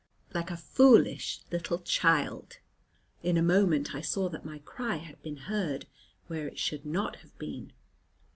like a foolish little child. In a moment I saw that my cry had been heard, where it should not have been.